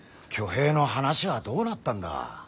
挙兵の話はどうなったんだ。